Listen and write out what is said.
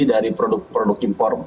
dari produk produk impornya